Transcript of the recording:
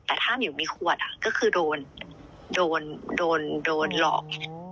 แต่ถ้ามิวมีขวดก็คือโดนหลอก